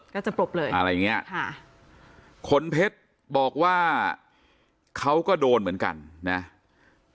ก็จะปลบเลยอะไรอย่างเงี้ยค่ะขนเพชรบอกว่าเขาก็โดนเหมือนกันนะ